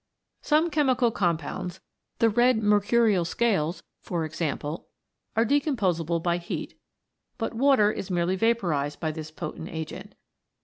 Some chemical compounds, the red mercurial scales, for example, are decomposable by heat, but Water is merely vaporized by this potent agent.